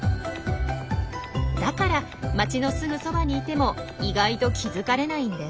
だから街のすぐそばにいても意外と気付かれないんです。